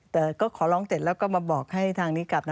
แต่ก็ขอร้องเสร็จแล้วก็มาบอกให้ทางนี้กลับนะ